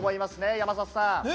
山里さん。